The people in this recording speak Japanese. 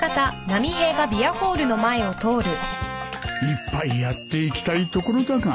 一杯やっていきたいところだが